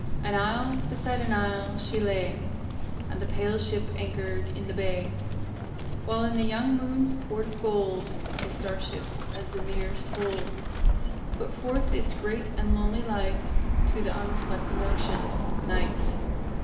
r An isle beside an isle she lay, The pale ship anchored in the bay, While in the young moon's port of gold A star ship as the mirrors told Put forth its great and lonely light To the unreflecting Ocean, Night.